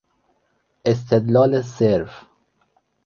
استدلال صرف